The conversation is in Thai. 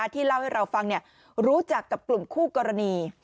ที่เล่าให้เราฟังรู้จักกับกลุ่มคู่กรณี